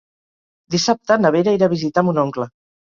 Dissabte na Vera irà a visitar mon oncle.